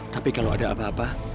tapi kalau ada apa apa